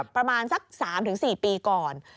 ประมาณสัก๓๔ปีก่อน